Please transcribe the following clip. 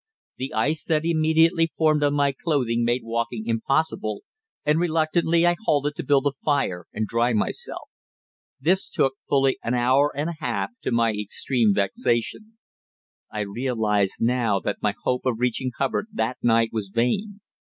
The ice that immediately formed on my clothing make walking impossible, and reluctantly I halted to build a fire and dry myself. This took fully an hour and a half, to my extreme vexation. I realised now that my hope of reaching Hubbard that night was vain.